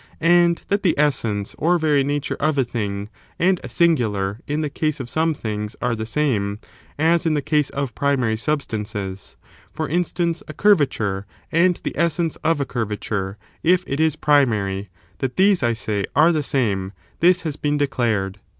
And that the essence or very nature of a thing, and a singular in the case of some things, are the same — as in the case of primary substances ; for instance, a curvature, and the essence of a curvature, if it is primary — ^that these, I say, ai'e the same, this has been declared.